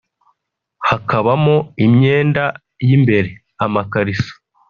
hakabamo imyenda y’imbere (amakariso)